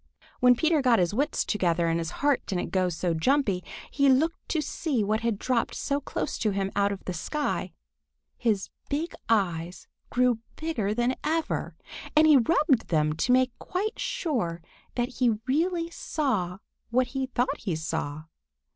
When Peter got his wits together and his heart didn't go so jumpy, he looked to see what had dropped so close to him out of the sky. His big eyes grew bigger than ever, and he rubbed them to make quite sure that he really saw what he thought he saw.